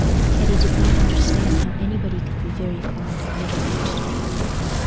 Hetty did not understand how anybody could be very fond of middle aged people.